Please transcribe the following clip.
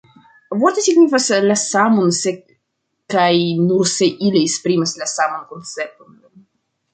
Vortoj signifas la samon se kaj nur se ili esprimas la saman koncepton.